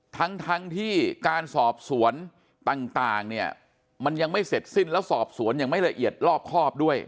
ทั้งที่การสอบสวนต่างเนี่ยมันยังไม่เสร็จสิ้นแล้วสอบสวนอย่างไม่ละเอียดรอบครอบด้วย